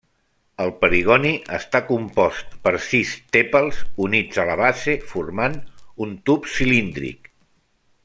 El perigoni està compost per sis tèpals, units a la base, formant un tub cilíndric.